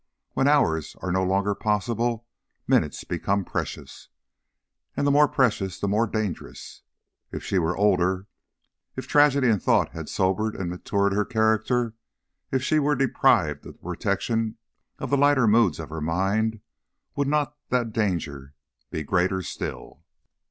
When hours are no longer possible, minutes become precious, and the more precious the more dangerous. If she were older, if tragedy and thought had sobered and matured her character, if she were deprived of the protection of the lighter moods of her mind, would not the danger be greater still?